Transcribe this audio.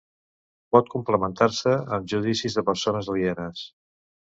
Pot complementar-se amb judicis de persones alienes.